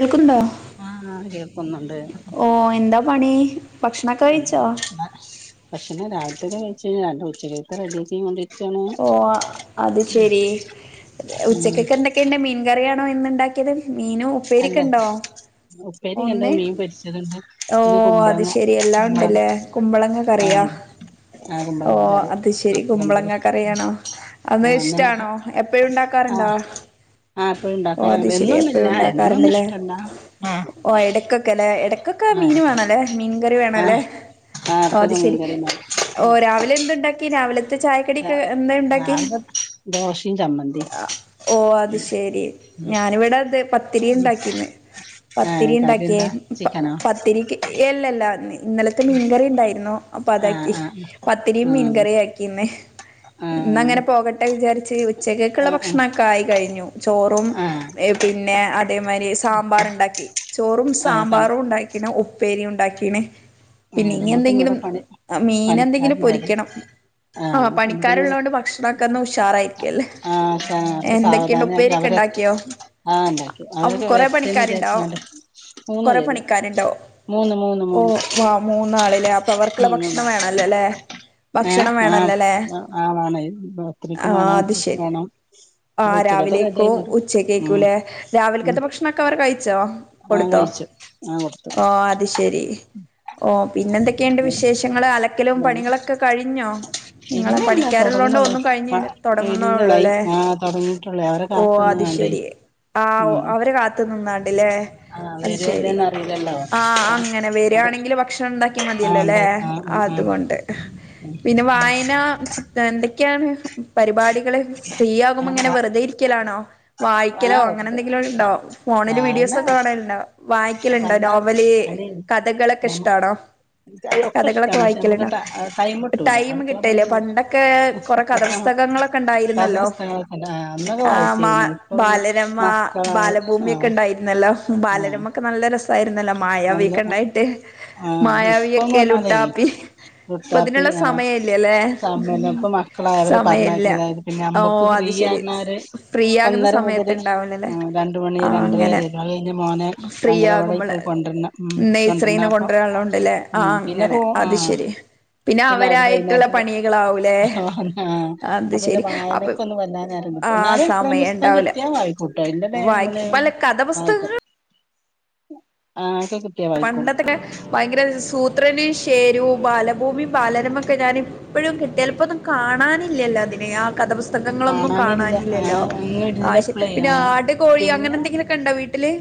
കേൾക്കുണ്ടോ ആ കേക്കുന്നൊണ്ട് ഓ എന്താ പണി ഭക്ഷണൊക്കെ കഴിച്ചോ ഭക്ഷണം രാവിലത്തെന് കഴിച്ച്ണ് ഉച്ചകത്തെ റെഡി ആക്കിക്കോണ്ടി ഓ അത് ശെരി ഉം ഉച്ചക്കൊക്കെ ന്തൊക്കെണ്ട് മീൻകറിയാ ണോ ഇന്നുണ്ടാക്കിയത് മീനും ഉപ്പേരിം അല്ല ക്കെണ്ടോ ഉപ്പേരിയുണ്ട് ഒന്നേ മീൻ പൊരിച്ചതുണ്ട് ഓ ഇന്ന് അത് കുമ്പളങ്ങ ശെരിയല്ലാം കുമ്പളങ്ങ ഉണ്ടല്ലേ കുമ്പളങ്ങ കറിയാ ആഹ് ആഹ് ഓ കുമ്പളങ്ങ കറി അത് ശെരി പപ്പടം പൊരി കുമ്പളങ്ങ കറിയാണോ അന്ന് ആഹ് നമുക്ക് ഇഷ്ടാണോ എപ്പഴും ഉണ്ടാക്കാറുണ്ടോ ആ ഓ അത് എപ്പഴുംണ്ടാക്കാറ്ണ്ട് ശരി എപ്പോഴും എന്നൊന്നുല്ല എന്നൊന്നും ഉണ്ടാക്കാറുണ്ടല്ലേ ഇഷ്ടല്ല ഓ ഇടക്കൊക്കെ ലെ ഇടയ്ക്കൊക്കെ ആഹ് മീന് വേണം ലെ മീൻകറി വേണം ലെ ആഹ് ആഹ് ഓ അത് ഇടക്കൊക്കെ ശെരി മീൻകറി ഓ ഉണ്ടാക്കും. രാവിലെ എന്തുണ്ടാക്കി രാവിലെ ത്തെ ചായക്കടിയോക്കെ എന്തേ ഉണ്ടാക്കി രാവിലെ ദോശയും ചമ്മന്തിയും ഓ അത് ശരി ഞാനിവിടെ ദേ പത്തിരി ഉണ്ടാക്കിന്ന് [inaudible] പത്തിരി കറി ഉണ്ടാക്കിയേ എന്താ ചിക്കനോ പത്തിരിക്ക് എല്ലല്ല ഇന്നലത്തെ മീൻകറി ഉണ്ടായിരുന്നോ അപ്പൊ ആഹ് അതാക്കി ആഹ് പത്തിരിയും ആഹ് മീൻകറിയും ആക്കിന്ന് ആഹ് ഇന്നങ്ങനെ പോകട്ടെ വിചാരിച്ച് ഉച്ചകേക്കുള്ള ആഹ് ഭക്ഷണൊക്കെ ആയി കഴിഞ്ഞു ചോറും ആഹ് പിന്നെ അതേമാരി സാമ്പാറ്ണ്ടാക്കി ചോറും ആഹ് സം സാമ്പാറും ഉണ്ടാക്കീണ് ഉപ്പേരി ഉണ്ടാക്കീണ് പിന്നെ ആഹ് ഇങ്ങ നമ്മുക്കിന്ന് എന്തെങ്കിലും ഇവിടെ പണി മീന് എന്തെങ്കിലും പണിക്കാരുണ്ടായിരുന്നു പൊരിക്കണം ആ ആഹ് നമ്മുക്കിന്ന് പണിക്കാരുള്ളോണ്ട് ഭക്ഷണൊക്കെന്ന് ഉഷാറായിരിക്കുംല്ലേ ആഹ് എന്തൊക്കെണ്ട് ഉപ്പേരിക്കെ ണ്ടാക്കിയോ ആ ണ്ടാക്കി അവരൊക്കെ വെര്ട്ടെന്ന് വിചാരിച്ചണ്ട് കൊറെ പണിക്കാരുണ്ടോ മൂന്ന് ഓ മൂന്ന് വാ മൂന്നാള് വർക്കുള്ള ഭക്ഷണം വേണല്ലോ ല്ലേ ഏ ആ ആളാണ് ആ ഒത്രക്കും വേണം അത് ഉച്ചക്ക് ശരി വേണം ആ അപ്പൊ ഉച്ചക്കത്തെ റെഡി രാവിലേക്കോ ആയിങ്ങോണ്ട് ഉച്ചക്കേക്കും ഉം ല്ലേ രാവിലെക്കത്തെ ഭക്ഷണംക്കെ അവർ കഴ് ആ കഴിച്ചു ആഹ് ഓ അത് ശെരി ഓ പിന്നെന്തെക്കെണ്ട് കൊടുത്തു വിശേഷങ്ങൾ അല ക്കലും പണികളൊക്കെ കഴിഞ്ഞോ ഇല്ല നിങ്ങളെ ഇല്ല പണിക്കാരുള്ളോണ്ട് തൊടങ്ങുന്നുള്ളൂ ഒന്നും കഴിഞ്ഞിണ്ട ഇല്ല തൊടങ്ങുന്നേള്ളൂ കൈ ല്ലേ ആ തൊടങ്ങിട്ടുള്ളൂ അവരെ ഓ അത്ശെ കാത്ത്ന്ന്ങ്ങാണ്ടേ ശരി ആ ഉം അവര് കാത്തു നിന്നാണ്ട്ല്ലേ ആ അത് വരോ ശെരി ഇല്ലേന്ന് അറിയില്ലല്ലോ ആ അങ്ങനെ അത വരാണെങ്കിൽ ഭക്ഷണം ഉണ്ടാക്കിയാൽ ആ മതിയല്ലോ ല്ലെ ഉണ്ടാ ആ അ ആ ഉം തോകൊണ്ട് ഉം പിന്നെ വായന ചി എന്തൊക്കെയാണ് പരിപാടികള് ഫ്രീ ആവുമ്പോ ങ്ങനെ വെറുതെരിക്കലാണോ ആ വായിക്കലോ അങ്ങനെ വെറുതെ എന്തെങ്കിലും ഉണ്ടോ ഫോണില് വായന വീഡിയോസൊക്കെ കാണൽ വായിക്കലുണ്ടോ വന്നാൽ നോവല് അതെ കഥകളൊക്കെ ഇഷ്ടാണോ ഒക്കെ കഥകളൊക്കെ ഇഷ്ടാണ് പക്ഷെ നമുക്ക് വായിക്കലുണ്ടോ ടൈം കിട്ടൂല ടൈം അടുക്കള കിട്ടല്ലേ പണിയൊന്നും പണ്ടൊക്കെ കൊറെ കഥസ്തക പുസ്തകങ്ങളൊക്കണ്ടായിരുന്നല്ലോ കഥാപുസ്തകങ്ങളൊക്കെ അന്നൊക്കെ ആ മാ വായിച്ചിരുന്നു ഇപ്പൊ പിന്നെ ബാലരമ മക്കളായി ആ ബാലഭൂമിക്കെണ്ടായിരുന്നല്ലോ ബാലരമ ക്കെ നല്ല രസായിരുന്നല്ലോ മായാവീക്കണ്ടായിട്ട് ആ ഇപ്പം പർഞ്ഞാലേ ഇപ്പൊ ലുട്ടാപ്പി ഇതിനുള്ള ആ സമയം ഇല്ലല്ലേ സമല്ല ഇപ്പ മക്കളായ അവര് സമയല്ല പറഞ്ഞക്കും അതായത് ഓ പിന്നെമ്മക്കും ഫ്രീ അത് ശരി ആവ്ണാരെ ഫ്രീ ആകുന്ന ഒന്നര മുതൽ സമയത്ത് ഇണ്ടാവൂലല്ലേ രണ്ട്മണി ആ അങ്ങനെ രണ്ടരാരെ മോനെ ഫ്രീ അങ്കനവാടിക്ക് ആകുമ്പള് വി കൊണ്ടരണം ഉം നെയ്സറീന്ന് കൊണ്ടരണാപ്പൊ കൊണ്ടുവരാനുള്ളോണ്ടല്ലേ ആ ഉം പിന്നെ അങ്ങനെ ഹോ ആ അത് ശരി പിന്നെ പിന്ന അവര്ക്ക് അവരായിട്ടുള്ള വൈകുന്നേരത്ന് പണികളാവൂലേ ഹ ഹാ ആ അത് അപ്പൊ ന്റെ ശരി അപ്പൊ വായനക്കെ ഒന്ന് വല്ലാനാര ആ എന്നാലും എപ്പഴ സമയം പുസ്തകം ഉണ്ടാവൂല കിട്ടിയ വായിക്കൂട്ടോ ഇന്റെ വായിക്ക വല്ല [unintelligible] കഥപുസ്തകങ്ങൾ ആയ്കോട്ടെ ആഹ പണ്ടത്തെക്കെ ഭയങ്കര സൂ അത്രനയും ഷെരൂ ബാലഭൂമിയും ബാലരമൊക്കെ ഞാൻ എപ്പോഴും കിട്ടിയ ചിലപ്പോ ഒന്നും കാണാനില്ലല്ലോ അതിനെ ആ കഥപുസ്തകങ്ങളൊന്നും കാണാനില്ല ആ കാണാനില്ലല്ലോ അങ്ങ് ആയിഷ് ആ ഇല്ലപ്പളേ പിന്നെ ആട് കോഴി അങ്ങനെ പിന്നെ എന്തെങ്കിലുമൊക്കെ ഉണ്ടോ വീട്ടി ല്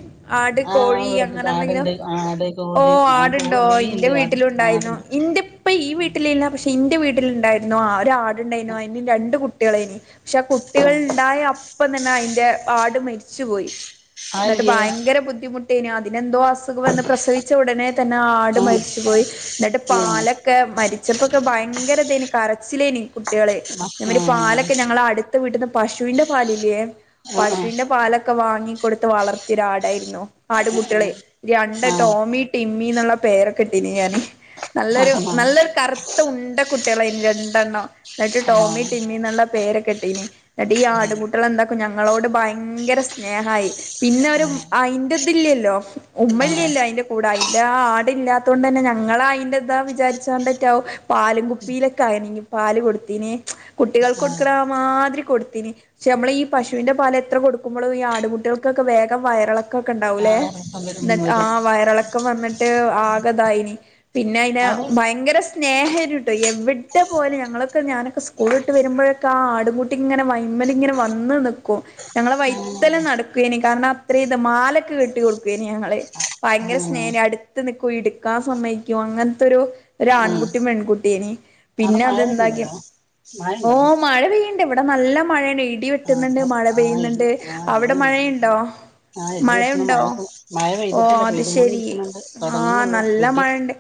ആട് ആ കോഴി വീട്ടിൽ അങ്ങനെ എന്തെങ്കിലും ആടുണ്ട് ആട് ഓ കോഴി ആ ആടുണ്ടോ ഇന്റെ കോഴിണ്ട് ആട് വീട്ടിലുണ്ടായിനു ആടുണ്ട് ഇന്റെ ഇപ്പ ഈ വീട്ടിലല്ല ക്ഷെ എന്റെ വീട്ടിലുണ്ടായിരുന്നു ഒരാടുണ്ടായിരുന്നു അതിന് രണ്ടു കുട്ടികളായിന് ക്ഷെ ആ കുട്ടികൾ ണ്ടായ [unintelligible] അപ്പം തന്നെ അതിന്റെ ആട് മരിച്ചുപോയി ന്നിട്ട് അതെന്തിയേ ഭയങ്കര ബുദ്ധിമുട്ട് അന് അതിനെന്തോ അസുഖം വന്ന് പ്രസവിച്ച ഉടനെ തന്നെ ആട് ആ മരിച്ചു പോയി എന്നിട്ട് ആ പാലൊക്കെ മരിച്ചപ്പോക്കെ ഭയങ്കര [unintelligible] കരച്ചിലേനി കുട്ടികള് ആ നമ്മ ആ ഒരു പാലൊക്കെ ഞങ്ങള അടുത്ത വീട്ടന്ന് പശുവിന്റെ പാലില്ലേ ആ ആ പശുവിന്റെ പാലൊക്കെ വാങ്ങിക്കൊടുത്ത് വളർത്തിയ ഒരാടായിരുന്നു ആട്കുട്ടികളെ രണ്ട ആ ആ ഈ ടിമ്മിന്നുള്ള പേരൊക്കെട്ടീനു ഞാന് നല്ലൊരു നല്ലൊരു കറുത്ത ഉണ്ട കുട്ടികളായ്നി രണ്ടെണ്ണം ന്നിട്ട് ടോമി ടിമ്മി എന്നുള്ള പേരൊ ട്ടീന് എന്നിട്ട് ഈ ആടുകുട്ടികള് എന്താക്കും ഞങ്ങളോട് ഭയങ്കര സ്നേഹായി പിന്നെ ഒരു അയിന്റതില്ലല്ലോ ആ ആ ആ ഉമ്മല്യല്ലോ അയ് കൂടെ അയിന്റെ ആടില്ലാത്ത കൊണ്ട് തന്നെ ഞങ്ങള അതിന്റെതാ വിചാരിച്ചൊണ്ടറ്റ പാല്കുപ്പിയിലൊ [unintelligible] പാൽ കൊടുത്തിന് കുട്ടികൾക്ക് ആ കൊടുക്കണ മാതിരി കൊടുത്തിന് പക്ഷെ നമ്മള ഈ പശുവിന്റെ പാല് എത്ര കൊടുക്കുമ്പോളും ഈ ആടുട്ടികൾക്കൊക്കെ വേഗ വയറിളക്കൊ ഒക്കെ ഉണ്ടാവൂല്ലേ പലതും വരും ക്കെ വന്നിട്ട് ആകതായിനി പിന്നെ അയിന അവിടെ ഭയങ്കര സ്നേഹരിട്ടോ എവിടെ പോയാലു ഞങ്ങളൊക്കെ ഞാനൊക്കെ സ്കൂളിട്ട് വരുമ്പോഴൊക്കെ ആടുംകുട്ടിങ്ങനെ [unintelligible] ഇങ്ങനെ വന്ന് ന്ക്കും ഞങ്ങളെ ആ വൈത്തലം നടക്കയന്‌ കാരണം അത്ര ഇത് മാലൊക്കെ കെട്ടി കൊടുക്കുവേന് ഞങ്ങള് ആ ഭയങ്കര സ്നേഹം അടുത്ത് നീക്കു ഇടുക്കാൻ സമ്മയിക്കും അങ്ങനത്തെരു ഒരു ഉം ആൺകുട്ടി പെൺകുട്ടിയിനി അവിടെ പിന്നെ മഴ അതെന്താക്കി വരുന്നുണ്ടോ മഴ ഓ ഉണ്ടോ മഴ പെയ്യണ്ട് ഇവിടെ നല്ല മഴയൊണ്ട് ഇ ഇടി വെട്ടുന്നുണ്ട് ആഹ് മഴ ആഹ് പെയ്യുന്നുണ്ട് അവിടെ മഴയുണ്ടോ ആ ഇടി വെട്ടിണു മഴയുണ്ടോ മഴ മഴ ഓ പെയ്തിട്ടില്ല പെയ് അത് ശരി ആഹ് നല്ല മഴണ്ട്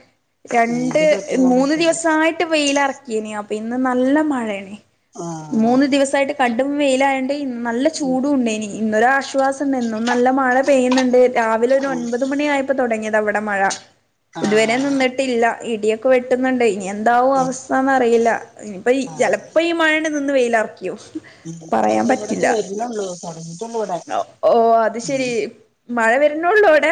ഉം രണ്ട് ഇടി മൂന്ന് വെട്ടിക്കൊണ്ടിരിക്ക്ണ്ട് ദിവസായിട്ട് വെയിലറക്കിയേനി അപ്പൊ ഇന്ന് നല്ല മഴേനി ആഹ് മൂന്ന് ദിവസായിട്ട് ക കടും വെയിലായണ്ട് ഇ നല്ല ഉം ചൂടും ണ്ടെനി, ഇന്നൊരാശ്വാസം ഉണ്ട്, ഇന്നും നല്ല മഴ പെയ്യുന്നുണ്ട് രാവിലെ ഒരു ഒൻപത് മണിയായപ്പോ തുടങ്ങിയത ഇവിടെ മഴ. ഇതുവരെ ആഹ് നിന്നിട്ടില്ല ഇടിയൊക്കെ [inaudible] [unintelligible] വെട്ടുന്നുണ്ടേയ്, ഇനി എന്താവും ഉം അവസ്ഥന്നറിയില്ല. ഇനിപ്പ ഇ ചെലപ്പോ ഈ മഴണ് [inaudible] [unintelligible] നിന്ന് വെയിലറിക്കും. [unintelligible] ഇവിടെന്ന് വരുന്നുള്ളു [unintelligible] [unintelligible] ഓ അത് ശരി, മഴ വെര്നൊള്ളൂ അവിടെ?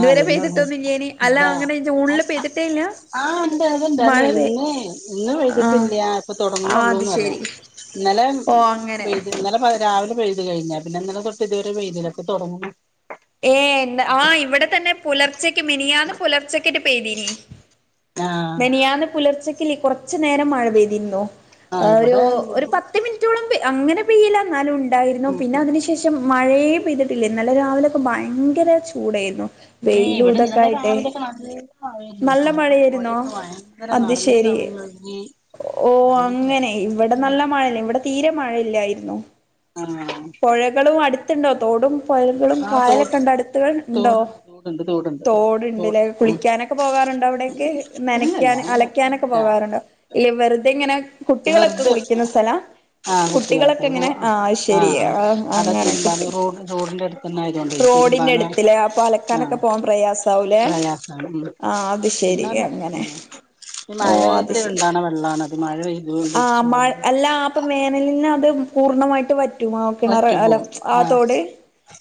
ആഹ് വരുന്നുള്ളൂ പെയ്തിട്ടൊന്നുല്ലേയ്നി? അല്ല, ഇതാ അങ്ങനെ ജൂണില് അത് അ പെയ്തിട്ടേ ഇല്ല? ആഹ് ഉണ്ട് അത്ണ്ട്. മഴ അല്ലെയ് പെയ് ഇന്ന് ഇന്ന് ആഹ് പെയ്തിട്ടില്ല, ഇപ്പൊ ആഹ് അത് തുടങ്ങണുള്ളൂന്ന് പറയാ. ശരി ഇന്നലെ ഓ അങ്ങനെ പെയ്ത് ഇന്നലെ പ രാവിലെ പെയ് ഇത് കഴിഞ്ഞ, പിന്നെ ഇന്നലെ തൊട്ട് ഇതുവരെ പെയ്തില. പ്പൊ തൊടങ്ങുന്നൊള്ളു. ഏ എന്ന ആ ഇവിടെ [inaudible] ആഹ് മെനിയാന്ന് പുലർച്ചക്കില്ലേ, കുറച്ച് നേരം മഴ പെയ്തിന്നു. ആ ആഹ് ഒരു ഇവിടെ ഒരു പത്ത് മിനിറ്റോളം പെയ് അങ്ങനെ പെയല് എന്നാലും ഉണ്ടായിരുന്നു ഉം പിന്നെ അതിനു ശേഷം മഴയെ പെയ്തിട്ടില്ല ഇന്നലെ രാവിലെ ഭയങ്കര ചൂടായിരുന്നു ന്നെ വെയിലും ഇവിടെ ഇതൊക്കെ ഇന്നലെ ആയിട്ടെ രാവിലെക്കെ നൽ ആ ആയിരുന്നു നല്ല തോടും മഴയായിരുന്നോ പുഴക്കെ ഭയങ്കര അത് നിറഞ്ഞ ശരി കവിഞ്ഞൊഴങ്ങി ഓ അങ്ങനെ ഇവിടെ നല്ല മഴ ഇവിടെ തീരെമഴയില്ലായിരുന്നു ആഹ് പുഴകളും അടുത്തുണ്ടോ തോടും പുഴകളും ആ തോ കായലൊക്കെ ഉണ്ടടുത്തുകൾ ഉണ്ടോ തോടുണ്ട് തോടുണ്ട് തോടുണ്ട് തോ തോടുണ്ട്ലേ ഉം കുളിക്കാനൊക്കെ പോകാ റുണ്ടോ അവിടെക്കെ ഇല്ലല്ല നനക്കൻ അങ്ങനെ അലക്കാനൊക്കെ ഇല്ല പോകാറുണ്ടോ ലെവെറുതെ ഇങ്ങനെ കുട്ടികളൊക്കെ വെറുതെ കുളിക്കുന്ന സ്ഥലാ ആ കുട്ടികളൊക്കെ പോവാ ഇങ്ങനെ ആ ശരി ആഹ് ആ അതാ അങ്ങനെ തിരുമ്പാനും കുട്ടി റോഡ് റോഡിന്റെ അടുത്തന്നെ ആയതുകൊണ്ടെ റോഡിന്റെ തിരുമ്പാന അടുത്തില്ലേ അപ്പൊ ആ അലക്കാനൊക്കെ പോവാൻ പ്രയാസാവൂലേ പ്രയാസാണ് മ് ആഹ് അത് ശരി പിന്നെന്ന അങ്ങനെ ആ ഈ ഓ അത് മഴയൊത്തെ ശരി ഉണ്ടാവണ വെള്ളണ് അത് മഴ പെയ്യ ആ മഴ അല്ലപ്പ വേനലിന് അത് പൂർണ്ണമായിട്ട് വറ്റ റ്റുമാക്കിണർ വറ്റി അലം പോകും ആഹ് ആത്തോടെ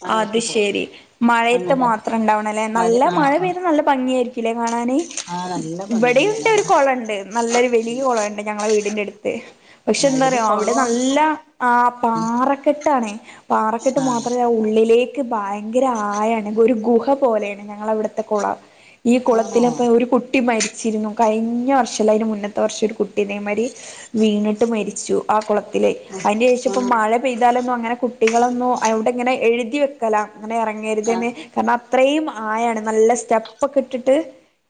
ആഹ് അത് വറ്റി പോകും ശരി മഴയത്ത് അങ്ങനത്തെ മാത്രം ഇണ്ടാവണം അല്ലെ നല്ല ആഹ് മഴ ആഹ് പെയ്ത നല്ല ഭംഗിയ ആയിരിക്കല്ലേ കണ ണന് ആഹ് നല്ല ഭംഗി തന്നെയാണ് ഇവിടെയുണ്ട് ഒരു അവിടെ കുളംണ്ട് നല്ലൊരു വലിയ കുളുണ്ട് ഞങ്ങളെ വീടിന്റെടുത്ത് പക്ഷെ എന്താ അയില് പറയോ അവിടെ കൊളോം നല്ല ആ പാറ ക്കെട്ടാണെ പാറകെട്ട് ആഹ് മാത്രെ അ ഉള്ളി ലേക്ക് ഭയങ്കര ആയണെ ഒരു ഗുഹ പോലെയാണ് ഞ ഞളവിടുത്തെ കുളം ഈ ആണോ കുളത്തിലപ്പ ഒരു കുട്ടി മരി ച്ചിരുന്നു കഴിഞ്ഞ വർഷം അല്ല അതിന് മുന്നത്തെ വർഷം ഒരു കുട്ടിനേമാരി വീണിട്ട് മരിച്ചു ആ കുള ത്തില് അതിന് ശേഷം ഇപ്പ ആഹ് മഴ പെയ്താലൊന്നും അങ്ങനെ കുട്ടികളൊന്നും അവിടെ ഇങ്ങനെ എഴുതി വെക്കല അങ്ങനെ ഇറങ്ങരുതെന്ന് ആഹ് കാരണം അത്രയും ആയാണ് നല്ല സ്റ്റെപ്പ് ഒക്കെ ഇട്ടിട്ട്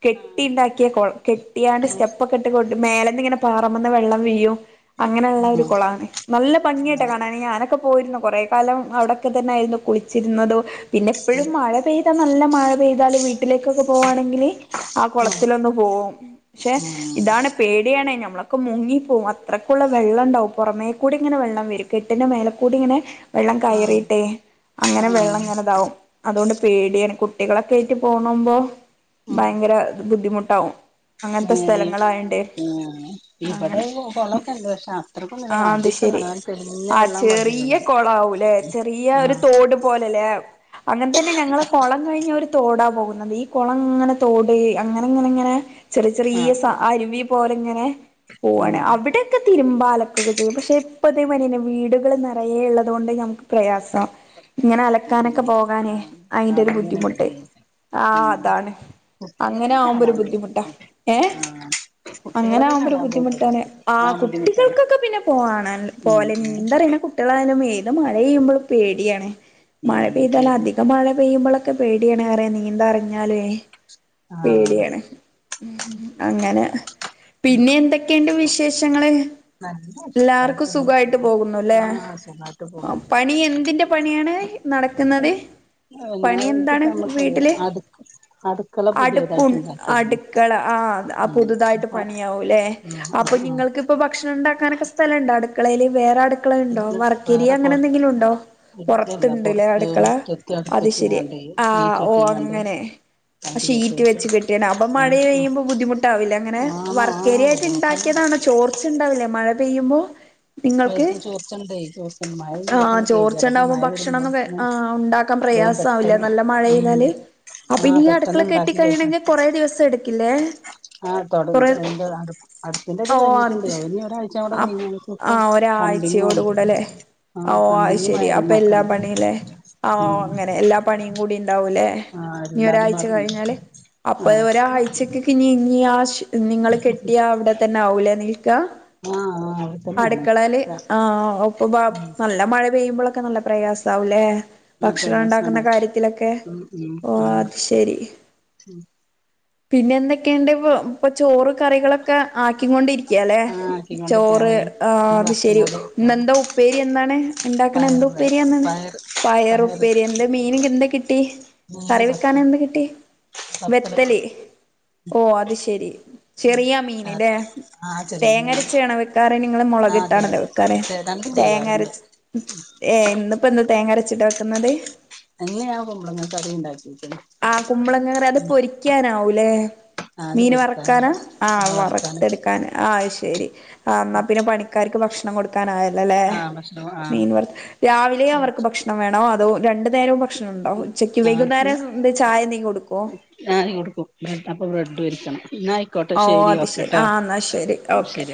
കെട്ടി ഉണ്ടാക്കിയ കുളം കെട്ടിയാണ്ട് സ്റ്റെപ്പ് ഒക്കെ ഇട്ട് കൊ മേലന്ന് ഇങ്ങനെ പാറമേന്ന് വെള്ളം വീയും അങ്ങനെയുള്ള ഒരു ആഹ് ആഹ് കുളാണ് നല്ല ഭംഗിയായിട്ട ക ഞാനൊക്കെ പോയിരുന്നു കൊറെ കാലം അവിടെക്കെ തന്നെ ആയിരുന്നു കുളിച്ചിരുന്നുന്നത് പിന്നെ എപ്പോഴും മഴ പെയ് നല്ല മഴ പെയ്താല് വീട്ടിലേക്കൊക്കെ പോവാണെങ്കില് ആ ഉം കുളത്തിലൊന്ന് പോവും ക്ഷെ ഇതാണ് പേടിയാണ് ഞമ്മളൊക്കെ മുങ്ങിപ്പോകും അത്രയ്ക്കുള്ള വെള്ളംണ്ടാവും പുറമേ കൂടി ഇങ്ങനെ വെള്ളം വരും കെട്ടിന്റെ മേലെക്കൂടി ഇങ്ങനെ വെള്ളം ആഹ് കയറിട്ടെ അങ്ങനെ ആഹ് വെള്ളം ഇങ്ങനെതാവും അതുകൊണ്ട് പേടിയ കുട്ടികളൊക്കെ ആയിട്ട് പോണ്പോ ഉം ഭയങ്കര ബുദ്ധിമുട്ടാവും അങ്ങനത്തെ ഏഹ് സ്ഥലങ്ങളായണ്ടേ ആഹ് ഇവിടെ കൊളൊക്കെ ഉണ്ട് പക്ഷാ ആഹ അത് ശരി ആ വെള്ളം ചെറിയ വറ്റിയതാണ് കൊളാവൂല്ലെ ചെറിയ ഒരു ആഹ് തോട് പോലല്ലേ എ അങ്ങനെ തന്നെ ഞങ്ങള് കുളം കഴിഞ്ഞഒര് തോടാ പോകുന്നത് ഈ കുളം ഇങ്ങനെ തോട് അങ്ങനെ അങ്ങനെ അങ്ങനെ ചെറിയ ചെറിയ ആഹ് സ അരുവി പോലെ ഇങ്ങനെ പോവയാണ് ആഹ് അവിടക്കെ തിരുമ്പാല അ കൊക്കചെയ്യും പക്ഷെ ഇപ്പതേ മരി ന്നെ വീടുകൾ നിറയെ ഉള്ളത കൊണ്ട് ഞമുക്ക് പ്രയാസ ഇങ്ങനെ അലക്കാനൊക്കെ തിന്നണം ആ പോകാനെ അയിന്റെ ഒരു ആദ്യമേന ബുദ്ധിമുട്ടേ ആ അതാണ് അങ്ങനെ കുട്ട്യോളൊക്കെ ആവുമ്പോ ചാടാൻ ഒരു ബുദ്ധിമുട്ടാ പോവും ഏഹ് [unintelligible] ആ അങ്ങനെ കുട്ടികളൊക്കെ ആകുമ്പോ ഒരു ചാടാൻ ബുദ്ധിമുട്ടാണ് ആ പോകും ബുദ്ധിമുട്ടാണ് കുട്ടികൾക്കൊക്കെ പിന്നെ പോണ ഉം പോലെ ഉം നീന്ത അറി യുന്ന കുട്ടികളായാലും ഏത് മഴെയുമ്പോളും പേടിയാണ് മഴ ഉം പെയ്താല ശരി അധികം മഴ പെയ്യുമ്പോളൊക്കെ പേടിയാണ് അറ നീന്തറിഞ്ഞാലേ ആ പേടിയാണ് മ് അങ്ങനെ പിന്നെ എന്തൊക്കെയുണ്ട് വിശേഷങ്ങള് നല്ല സുഖായിട്ട് എല്ലാർക്കും അങ്ങനെ സുഖായിട്ട് പോണ് പോകുന്നുല്ലേ ആ സുഖായിട്ട് പോണ് പണി എന്തിന്റെ പണിയാണ് നടക്കുന്നത് പിന്നെ പണി ഇപ്പ എന്താണ് നമ്മക്ക് വീട്ടില് അടു അടുക്കള അടുപ്പു പുതിയതായിട്ട് ഉണ്ടാക്കിയാരുന്നു അടുക്കള ആ ആ ആ ഉം പുതുതായിട്ട് അപ്പ പണിയാവൂല്ലേ ആ അപ്പൊ ആ ആ നിങ്ങൾക്ക് ഇപ്പ ഭക്ഷണം ഉണ്ടാക്കാനൊക്കെ സ്ഥല ണ്ടോ അടുക്കലേല് വേറെ അടുക്കള ഇണ്ടോ വർക്കേരി വേറെ അങ്ങനെ പൊറ എന്തെങ്കിലും ഉണ്ടോ ഇല്ലല്ല പുറത്തുണ്ടല്ലേ പൊറത്ത് അടുക്കള മുറ്റത്ത് അത് ശരി അടുപ്പച്ച്ങ്ങാണ്ടേ ആഹ സീറ്റ് ഓ കെട്ടിങ്ങാണ്ട് അങ്ങനെ അതിന്റെ ചോട്ട് ഷീറ്റ് വെച്ച് കെട്ടിയെ അപ്പൊ മഴ ആഹ് ആഹ് പെയ്യുമ്പോ ബുദ്ധിമുട്ടാവില്ല അങ്ങനെ ആണോ ആഹ് വർക്കേരിയട്ട് ബുദ്ധിമുട്ടാണ് ഉണ്ടാക്കിയത ചോർച്ച ഉണ്ടാവില്ലേ മഴ പെയ്യുമ്പോ നിങ്ങൾക്ക് പൈപ്പ് ചോർച്ചണ്ടേ ചോർച്ചണ്ട് മഴ ആ പെയ്യുമ്പത്തിന് ചോർച്ച കേതിയേടാ അപ്പൊ ഉണ്ടകുമ്പോ മഴ ഭക്ഷണം ന്ന് വരുമ്പോത്തിന് ആ ഉണ്ടാക്കാൻ പറ വേം പ്രയാസവില്ല പെട്ടെന്ന് നല്ല മഴ ഉം പെയ്താല് അപ്പൊ ആഹ് ഇനി പെട്ടെന്ന് അടുക്കള കെട്ടി ഇണ്ടാക്കി കഴിയണമെങ്കിൽ കൊറേ ദിവസം എടുക്കില്ലേ ആ കൊറേ തുടങ്ങിട്ട് അതിന്റെ അ അടുപ്പി ന്റെ അത് കഴിട്ടുണ്ട് ഇനി ഒരാഴ്ച കൂടെ അ് കഴിഞ്ഞാ ഞങ്ങക്കിപ്പം ആഹ പ്ലംബിങ്ങും ഒരാഴ്ചയോട് കൂടല്ലേ ഓ ആഹ് അത് പ്ലംബിങ്ങും ശെരി അപ്പൊ വയറിങ്ങും ഒക്കെ എല്ലാ ഉണ്ട് പണില്ലേ ആ ഉം അങ്ങനെ എല്ലാ പണിയും കൂടി ഉണ്ടാവൂല്ലേ ആഹ് നി എല്ലാതും ഒരാഴ്ച പാടെണ്ട് കഴിഞ്ഞാല് അപ്പൊ ആഹ് ഒരാഴ്ചക്കക്ക ഇനി ഇനി ആ നിങ്ങള് കെട്ടിയാ അവിടെ തന്നെ ആവലെ നിൽക്കാ ആഹ് ആഹ് അവിടെ തന്നെയാണ് അടുക്കളൽ ആ ഒപ്പൊ നല്ല മഴ പെയ്യുമ്പോഴ ഒക്കെ നല്ല പ്രയാസ ആവുംല്ലേ ആ ഭക്ഷണം പ്രയാസാണ് ഉണ്ടാക്കുന്ന കാര്യത്തിലൊക്കെ ഉം ഓ ആ അത് ശരി ഉം പിന്നെ എന്തൊക്കെയുണ്ട് ഇപ്പൊ ഇപ്പൊ ചോറ് കറികളൊക്കെ ആക്കികൊണ്ടിരിക്കയല്ലെ ആ ആക്കിക്കൊണ്ടിരിക്കാൻ ചോറ് വയ്യ ആ അത് ശരി വറുത്തുകൊണ്ടിരിക്കാണ് ഇന്നെന്താ ഉപ്പേരി എന്താണ് ഉണ്ടാക്കണ പയറ് എന്താ വേ ഉപ്പേരിയാന്ന പയറ് പയറ് പയറുപ്പേരി എന്താ മീനെ എന്താ കിട്ടി മീന് കറി വെക്കാന പത്തല് എന്ത് കിട്ടി പത്തല് വെത്തലി ഓ അത് ശെരി ചെറിയ മീൻല്ലേ ആ ചെറിയ തേങ്ങര മീന് രച്ച വെക്കാറ് നിങ്ങള് മുള ആ അതെ കിട്ടാണല്ലോ വെക്കാേ രണ്ടും ചെയ്യാറുണ്ട് തേങ്ങരച് ഏ ഇന്നിപ്പോ എന്താ തേങ്ങ അരച്ചിട്ട് വെക്കുന്നത് ഇന്ന് ഞാൻ കുമ്പളങ്ങ കറി ഉണ്ടാക്കിക്ക്ണ് ആ കുമ്പളങ്ങറ അത് പൊരിക്കാനാവൂലേ ആ അത് മീൻ വറക്കാനാ പൊരിക്കാനുണ്ട് ആഹ ആ വറുക്കാന് വറത്തെെടുക്കാന ആഹ ശരി ആ എന്നന്നാ പിന്നെ പണിക്കാർക്ക് ഭക്ഷണം കൊടുക്ക നായല്ല അല്ലേ ആ ഭക്ഷണം ആ മീൻവർത്ത് രാവിലെ അവർക്ക് ഭക്ഷണം വേണോ അതോ രണ്ടു നേരവും ഭക്ഷണം ണ്ടോ ഉച്ചക്ക് ആ വൈകുന്നേരം എ ചായ നീ കൊടുക്കോ ഞാന് കൊടുക്കും അപ്പൊ ബ്രെഡ് പൊരിക്കണം എന്നാ ആയിക്കോട്ടെ ഓ അത് ശരി ഓക്കെട്ടോ ആ എന്നാ ശെരി ഓക്കെ